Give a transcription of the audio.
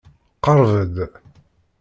Qerreb-d.